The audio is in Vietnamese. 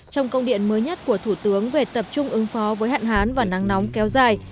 trong công điện mới nhất của thủ tướng về tập trung ứng phó với hạn hán và nắng nóng kéo dài